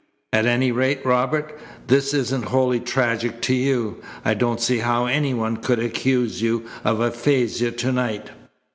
At any rate, Robert, this isn't wholly tragic to you. I don't see how any one could accuse you of aphasia to night."